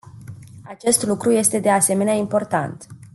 Acest lucru este de asemenea important.